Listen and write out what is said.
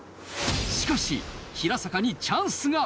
しかし平坂にチャンスが！